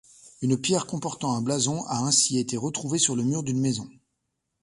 Une pierre comportant un blason a ainsi été retrouvée sur le mur d'une maison.